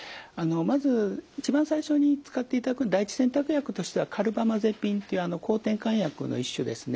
まず一番最初に使っていただく第１選択薬としてはカルバマゼピンっていう抗てんかん薬の一種ですね。